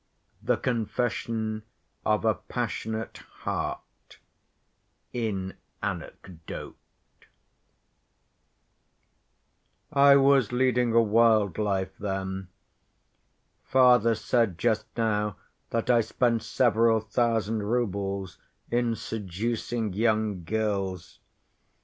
The Confession Of A Passionate Heart—In Anecdote "I was leading a wild life then. Father said just now that I spent several thousand roubles in seducing young girls.